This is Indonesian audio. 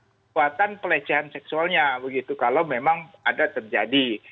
kekuatan pelecehan seksualnya begitu kalau memang ada terjadi